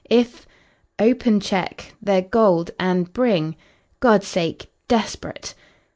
If ... open cheque ... ther ... gold, and bring ... God's sake ... desperate."